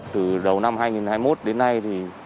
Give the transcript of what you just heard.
từ đầu năm hai nghìn hai mươi một đến nay thì